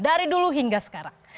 dari dulu hingga sekarang